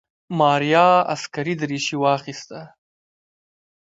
ماريا عسکري دريشي واخيسته.